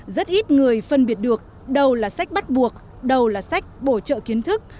rất ít người phân biệt được đâu là sách bắt buộc đâu là sách bổ trợ kiến thức